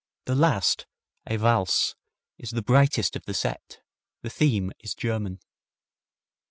The last, a valse, is the brightest of the set. The theme is German.